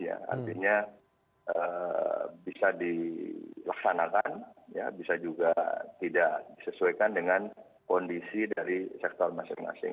artinya bisa dilaksanakan bisa juga tidak disesuaikan dengan kondisi dari sektor masing masing